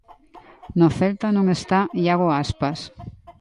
No Celta non está Iago Aspas.